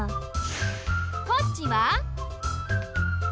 こっちは？